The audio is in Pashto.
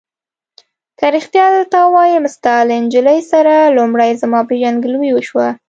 که رښتیا درته ووایم، ستا له نجلۍ سره لومړی زما پېژندګلوي وشوه.